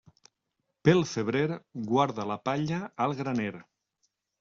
Pel febrer, guarda la palla al graner.